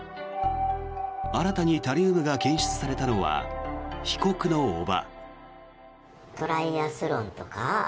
新たにタリウムが検出されたのは被告の叔母。